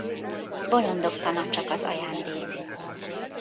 Bolondok tana csak az ajándék.